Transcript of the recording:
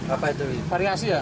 apa itu variasi ya